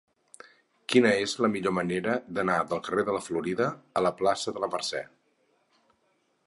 Quina és la millor manera d'anar del carrer de la Florida a la plaça de la Mercè?